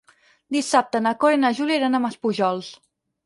Dissabte na Cora i na Júlia iran a Maspujols.